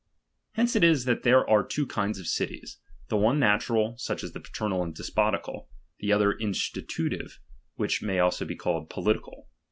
Hence it is that there are two kinds of cities ; the one natural, such as the paternal and despotical; the other institutive, which chap. v. may he also called political.